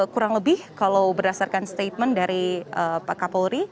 kurang lebih kalau berdasarkan statement dari pak kapolri